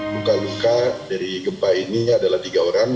luka luka dari gempa ini adalah tiga orang